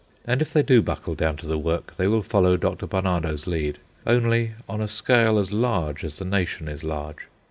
And if they do buckle down to the work, they will follow Dr. Barnardo's lead, only on a scale as large as the nation is large.